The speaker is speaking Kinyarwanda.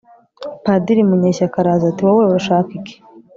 Padiri Munyeshyaka araza ati “wowe urashaka iki